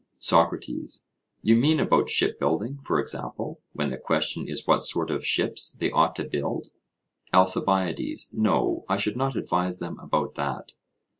SOCRATES: You mean about shipbuilding, for example, when the question is what sort of ships they ought to build? ALCIBIADES: No, I should not advise them about that.